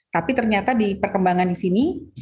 tapi ternyata di perkembangan di sini